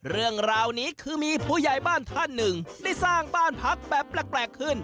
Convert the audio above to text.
เรื่องราวนี้คือมีผู้ใหญ่บ้านท่านหนึ่งได้สร้างบ้านพักแบบแปลกขึ้น